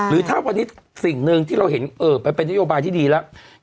หรือถ้าวันนี้สิ่งหนึ่งที่เราเห็นมันเป็นนโยบายที่ดีแล้ว